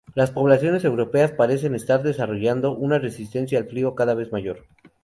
Las poblaciones europeas parecen estar desarrollando una resistencia al frío cada vez mayor.